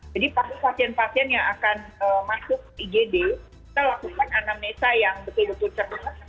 jadi pasien pasien yang akan masuk igd kita lakukan anamnesa yang betul betul cerdas